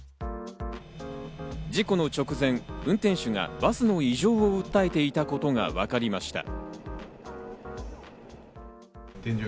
事故の直前、運転手がバスの異常を訴えていたことがわかりました。